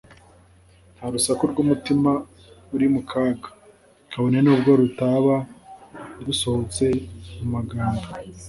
Nta rusaku rw'umutima uri mu kaga, kabone n'ubwo rutaba rusohotse mu magambo,